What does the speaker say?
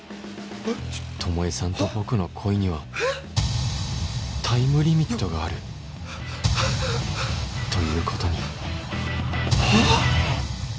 巴さんと僕の恋にはタイムリミットがあるという事にはあ？